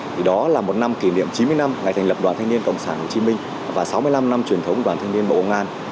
thì đó là một năm kỷ niệm chín mươi năm ngày thành lập đoàn thanh niên cộng sản hồ chí minh và sáu mươi năm năm truyền thống đoàn thanh niên bộ công an